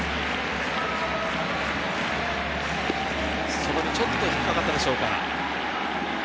外にちょっと引っかかったでしょうか。